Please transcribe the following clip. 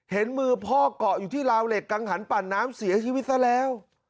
เห็นมือพ่อเกาะอยู่ที่ราวเหล็กกังหันปั่นน้ำเสียชีวิตซะแล้ว